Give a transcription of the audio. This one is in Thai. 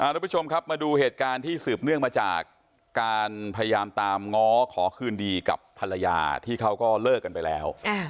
ทุกผู้ชมครับมาดูเหตุการณ์ที่สืบเนื่องมาจากการพยายามตามง้อขอคืนดีกับภรรยาที่เขาก็เลิกกันไปแล้ว